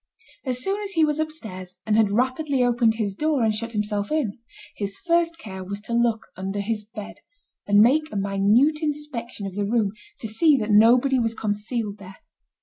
As soon as he was upstairs, and had rapidly opened his door and shut himself in, his first care was to look under his bed, and make a minute inspection of the room to see that nobody was concealed there.